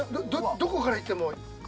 どこから行っても？